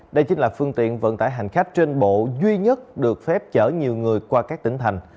đây chính là phương tiện vận tải hành khách trên bộ duy nhất được phép chở nhiều người qua các tỉnh thành